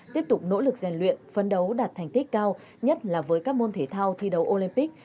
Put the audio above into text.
tiếp tục nỗ lực rèn luyện phấn đấu đạt thành tích cao nhất là với các môn thể thao thi đấu olympic